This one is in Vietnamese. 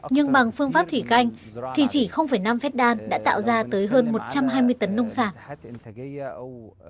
nhưng bằng phương pháp thủy canh thì chỉ năm phép đan đã tạo ra tới hơn một trăm hai mươi tấn nông sản